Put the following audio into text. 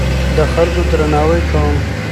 د خلکو درناوی کوم.